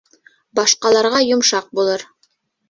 Башҡаларға йомшаҡ булыр.